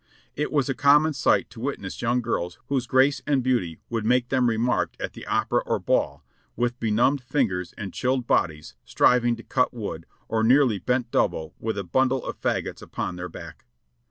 It was a common sight to witness young girls whose grace and beauty would make them remarked at the opera or ball, with benumbed fingers and chilled bodies, striving to cut wood, or nearly bent double with a bundle of fagots upon their back.